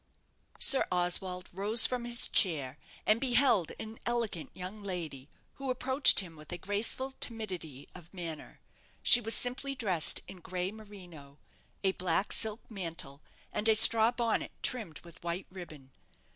Sir Oswald rose from his chair, and beheld an elegant young lady, who approached him with a graceful timidity of manner. She was simply dressed in gray merino, a black silk mantle, and a straw bonnet, trimmed with white ribbon.